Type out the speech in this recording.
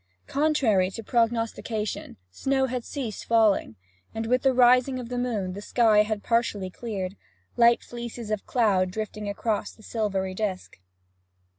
Contrary to prognostication, snow had ceased falling, and, with the rising of the moon, the sky had partially cleared, light fleeces of cloud drifting across the silvery disk.